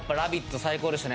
最高でしたね